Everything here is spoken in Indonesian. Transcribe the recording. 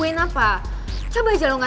tidak ada tapi tapi yang